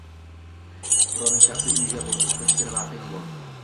Birovning shaxsiy uyiga bostirib kirishga nima haqqing bor?